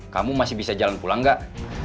kamu masih bisa jalan pulang gak